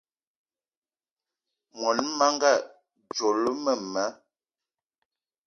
Món menga dzolo mema